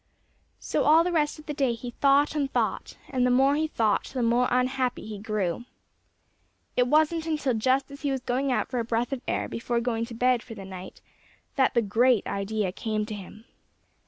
So all the rest of the day he thought and thought, and the more he thought the more unhappy he grew. It wasn't until just as he was going out for a breath of air before going to bed for the night that the great idea came to him.